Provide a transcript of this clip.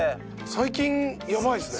最近やばいですね。